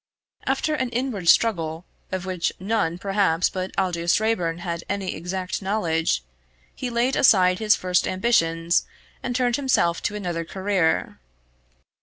After an inward struggle, of which none perhaps but Aldous Raeburn had any exact knowledge, he laid aside his first ambitions and turned himself to another career.